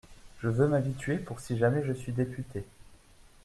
Je veux m’habituer pour si jamais je suis député…